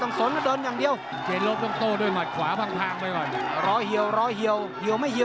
นี่นี่นี่นี่นี่นี่นี่นี่นี่นี่